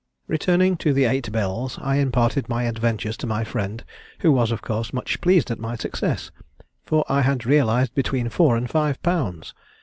"Returning to the Eight Bells, I imparted my adventures to my friend, who was, of course, much pleased at my success; for I had realised between four and five pounds.